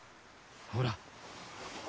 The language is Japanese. ほら。